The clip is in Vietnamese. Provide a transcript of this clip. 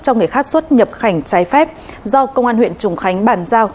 cho người khác xuất nhập cảnh trái phép do công an huyện trùng khánh bàn giao